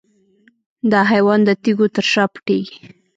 دا حیوان د تیږو تر شا پټیږي.